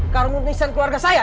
kamu niskan keluarga saya